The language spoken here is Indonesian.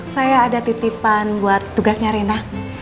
saya ada titipan buat tugasnya rina